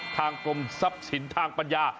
ทางกรมทรัพย์สินทางปัญญา